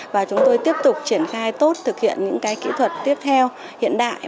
và chúng tôi tiếp tục triển khai tốt thực hiện những kỹ thuật tiếp theo hiện đại